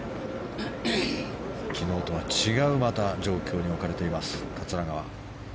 昨日とは違う状況に置かれている桂川。